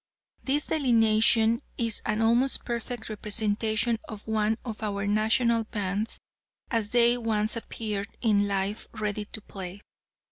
This delineation is an almost perfect representation of one of our national bands as they once appeared in life ready to play.